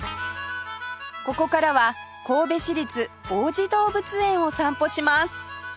ここからは神戸市立王子動物園を散歩します